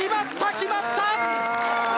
決まった！